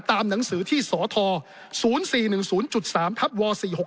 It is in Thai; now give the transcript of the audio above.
ตามหนังสือที่สท๐๔๑๐๓ทับว๔๖๖